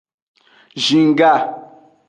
Zin ga.